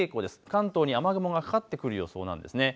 関東に雨雲がかかってくる予想なんですね。